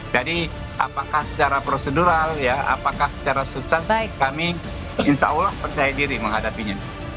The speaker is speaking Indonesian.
jadi apakah secara prosedural apakah secara sukses kami insya allah percaya diri menghadapinya